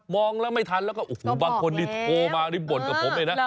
มองแล้วไม่ทันแล้วก็บางคนที่โทรมารีบบ่นกับผมเลยนะ